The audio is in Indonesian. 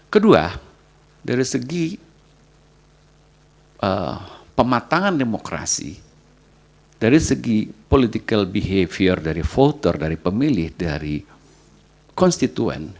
kedua dari segi pematangan demokrasi dari segi political behavior dari voter dari pemilih dari konstituen